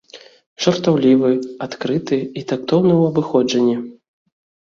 Жартаўлівы, адкрыты і тактоўны у абыходжанні.